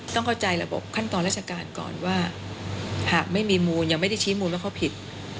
ต้องเข้าใจระบบขั้นตอนราชการก่อนว่าหากไม่มีมูลยังไม่ได้ชี้มูลว่าเขาผิด